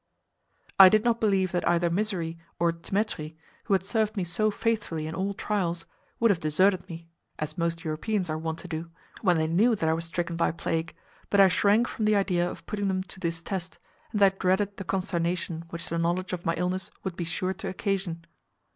I did not believe that either Mysseri or Dthemetri, who had served me so faithfully in all trials, would have deserted me (as most Europeans are wont to do) when they knew that I was stricken by plague, but I shrank from the idea of putting them to this test, and I dreaded the consternation which the knowledge of my illness would be sure to occasion.